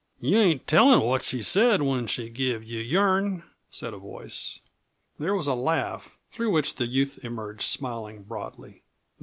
"You ain't tellin' what she said when she give you your'n," said a voice. There was a laugh, through which the youth emerged smiling broadly.